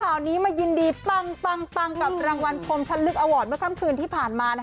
ข่าวนี้มายินดีปังกับรางวัลพรมชั้นลึกอวอร์ดเมื่อค่ำคืนที่ผ่านมา